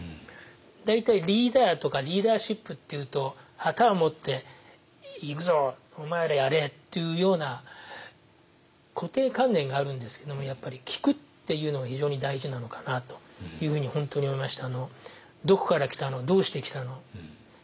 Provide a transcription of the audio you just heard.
大体リーダーとかリーダーシップっていうと旗を持って「行くぞ！お前らやれ！」っていうような固定観念があるんですけどもやっぱり聞くっていうのが非常に大事なのかなというふうに本当に思いました。